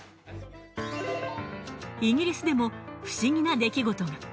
イギリスでも不思議な出来事が。